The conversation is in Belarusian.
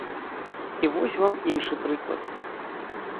І вось вам іншы прыклад.